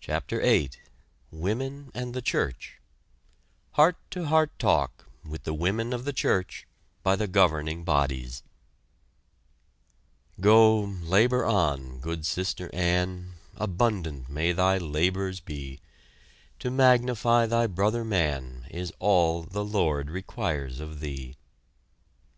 CHAPTER VIII WOMEN AND THE CHURCH HEART TO HEART TALK WITH THE WOMEN OF THE CHURCH BY THE GOVERNING BODIES Go, labor on, good sister Anne, Abundant may thy labors be; To magnify thy brother man Is all the Lord requires of thee!